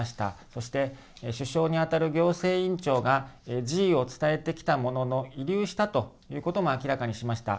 そして、首相に当たる行政院長が辞意を伝えてきたものの慰留したということも明らかにしました。